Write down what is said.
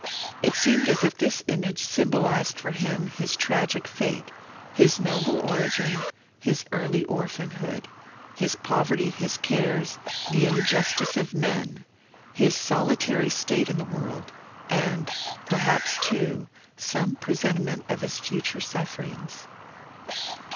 It seemed as if this image symbolized for him his tragic fate, his noble origin, his early orphanhood, his poverty, his cares, the injustice of men, his solitary state in the world, and perhaps too some presentiment of his future sufferings.